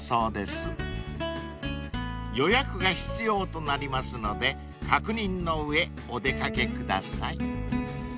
［予約が必要となりますので確認の上お出掛けください］